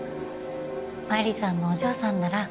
真理さんのお嬢さんなら